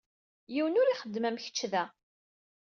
Yiwen ur ixeddem am kečč da.